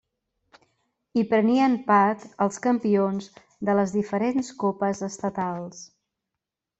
Hi prenien part els campions de les diferents copes estatals.